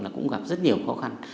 là cũng gặp rất nhiều khó khăn